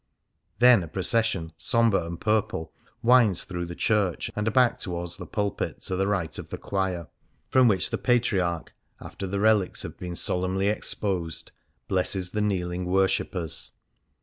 Then a pro cession, sombre and purple, winds through the church and back towards the pulpit to the right of the choir, from which the Patriarch, 121 Things Seen in Venice after the relics have been solemnly exposed, blesses the kneeling worshippers.